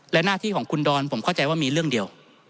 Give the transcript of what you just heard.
และหน้าที่ของคุณดอนผมเข้าใจว่ามีเรื่องเดียว